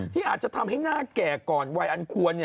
ที่อาจจะทำให้หน้าแก่ก่อนวัยอันควร